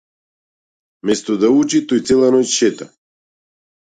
Место да учи тој цела ноќ шета.